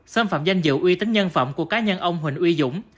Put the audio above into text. xâm phạm danh dự uy tín nhân phẩm của cá nhân ông huỳnh uy dũng